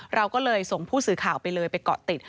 เราก็เลยส่งผู้สื่อข่าวไปเลยไปเกาะติด